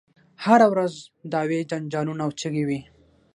هره ورځ دعوې جنجالونه او چیغې وي.